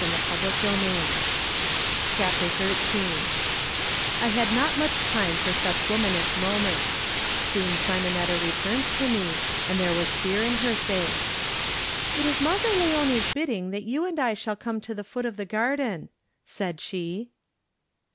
Digitized by Google CHAPTER Xm I HAD not much time for such womanish moments* Soon Simonetta returned to me, and there was fear in her face. '^It is Mazzaleone's bidding that you and I shall come to the foot of the garden," said she.